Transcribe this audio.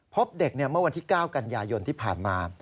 พบเด็กเมื่อวันที่๙กันยายนที่ผ่านมา